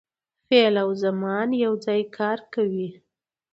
فعل او زمان یو ځای کار کوي.